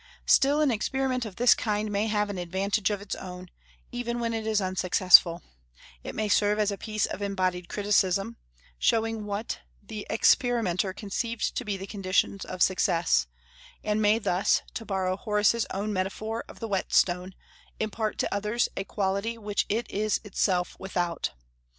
Still, an experiment of this kind may have an advantage of its own, even when it is unsuccessful; it may serve as a piece of embodied criticism, showing what the experimenter conceived to be the conditions of success, and may thus, to borrow Horace's own metaphor of the whetstone, impart to others a quality which it is itself without.